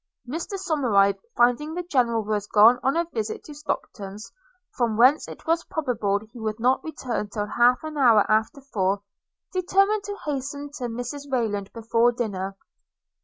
Mr Somerive, finding the General was gone on a visit to Stockton's, from whence it was probable he would not return till half an hour after four, determined to hasten to Mrs Rayland before dinner.